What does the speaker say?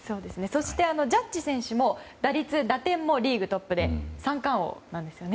そして、ジャッジ選手打率、打点もリーグトップで三冠王なんですよ。